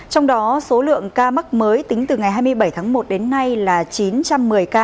trong đó số lượng ca mắc mới tính từ ngày hai mươi bảy tháng một đến nay là chín trăm một mươi ca